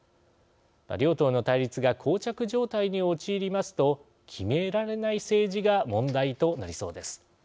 両党の対立がこう着状態に陥りますと決められない政治が問題となりそうです。